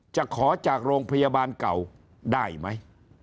จะขอจากโรงพยาบาลเก่าได้ไหม